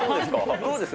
どうですか？